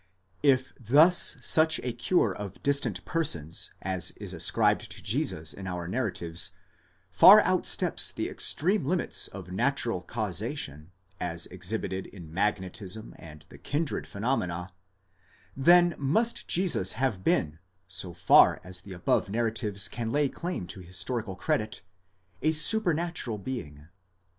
If thus such a cure of distant persons as is ascribed to Jesus in our narratives, far outsteps the extreme limits of natural causation, as exhibited in magnetism and the kindred phenomena ; then must Jesus have been, so far as the above nar ratives can lay claim to historical credit, a supernatural being.